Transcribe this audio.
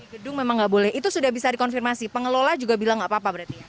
gedung memang nggak boleh itu sudah bisa dikonfirmasi pengelola juga bilang nggak apa apa berarti ya